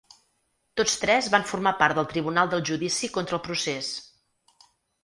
Tots tres van formar part del tribunal del judici contra el procés.